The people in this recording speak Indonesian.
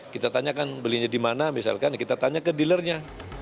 kita tanyakan belinya di mana misalkan kita tanya ke dealernya